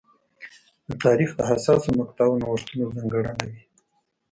د تاریخ د حساسو مقطعو نوښتونه ځانګړنه وې.